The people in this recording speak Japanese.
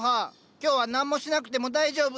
今日は何もしなくても大丈夫なの。